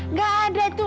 nggak ada itu